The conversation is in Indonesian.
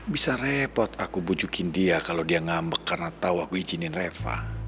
bisa repot aku bujukin dia kalau dia ngambek karena tahu aku izinin reva